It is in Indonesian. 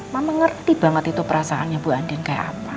mama ngerti banget itu perasaannya bu andin kayak apa